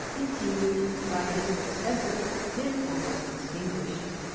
continued by his successor, been almost extinguished.